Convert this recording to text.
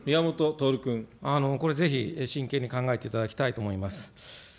これ、ぜひ真剣に考えていただきたいと思います。